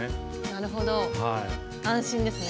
なるほど安心ですね。